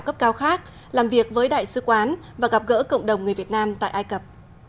cấp cao khác làm việc với đại sứ quán và gặp gỡ cộng đồng người việt nam tại ai cập